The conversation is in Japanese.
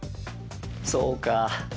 そうか！